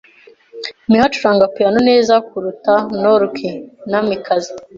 Miho acuranga piyano neza kuruta Noriko. (Namikaze)